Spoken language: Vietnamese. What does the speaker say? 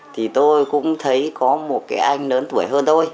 thì tôi cũng thấy có một cái anh lớn tuổi hơn tôi